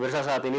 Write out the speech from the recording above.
berita saat ini